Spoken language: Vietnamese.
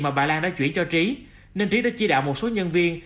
mà bà lan đã chửi cho trí nên trí đã chi đạo một số nhân viên